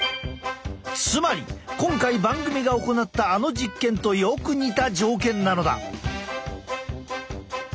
つまり今回番組が行ったあの実験とよく似た条件なのだ。